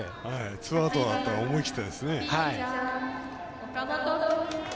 ツーアウトになったら思い切ってですね。